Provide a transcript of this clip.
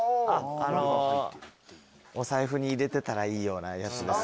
お財布に入れてたらいいようなやつです。